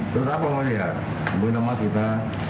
terus apa mas ya mohon maaf kita